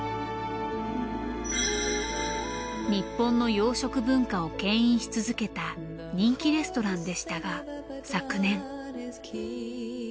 日本の洋食文化を牽引し続けた人気レストランでしたが昨年。